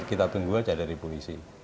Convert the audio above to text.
kita tunggu saja dari polisi